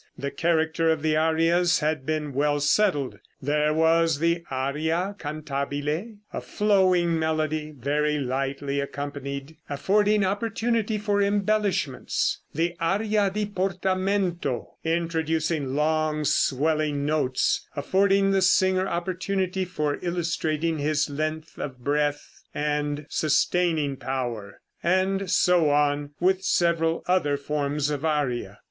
The character of the arias had been well settled. There was the aria cantabile, a flowing melody, very lightly accompanied, affording opportunity for embellishments; the aria di portamento, introducing long swelling notes, affording the singer opportunity for illustrating his length of breath and sustaining power. And so on with several other forms of aria.